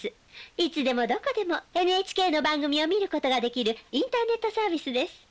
いつでもどこでもＮＨＫの番組を見ることができるインターネットサービスです。